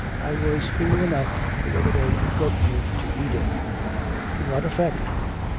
"I was fool enough the other day to quote you to Edith." "To what effect?"